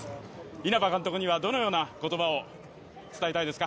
稲葉監督にはどのような言葉を伝えたいですか？